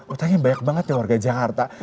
utangnya banyak banget ya warga jakarta